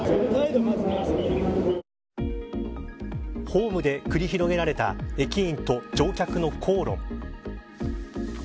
ホームで繰り広げられた駅員と乗客の口論。